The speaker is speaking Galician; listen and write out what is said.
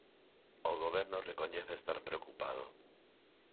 O Goberno recoñece estar preocupado.